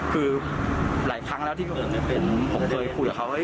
คือหลายครั้งแล้วที่ผมเคยคุยกับเขา